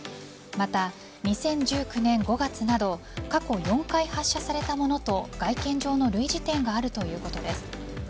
また、２０１９年５月など過去４回発射されたものと外見上の類似点があるということです。